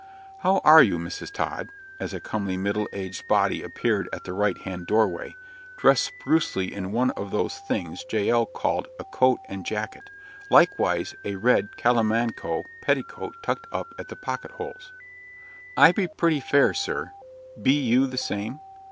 "How are you, Mrs. Tod?" as a comely, middle aged body appeared at the right hand doorway, dressed sprucely in one of those things Jael called a "coat and jacket," likewise a red calamanco petticoat tucked up at the pocket holes. "I be pretty fair, sir be you the same?